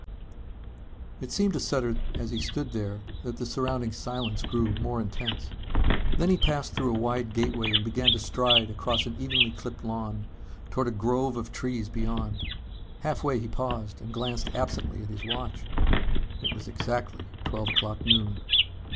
_ It seemed to Sutter as he stood there that the surrounding silence grew more intense. Then he passed through a wide gateway and began to stride across an evenly clipped lawn toward a grove of trees beyond. Halfway he paused and glanced absently at his watch. It was exactly twelve o'clock noon.